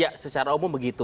ya secara umum begitu